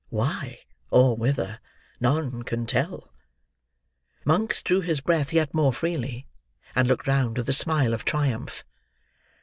Why, or whither, none can tell." Monks drew his breath yet more freely, and looked round with a smile of triumph.